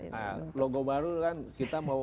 nah logo baru kan kita mau